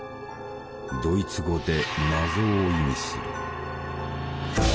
ドイツ語で「謎」を意味する。